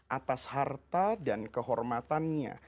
atas harta dan kehormatannya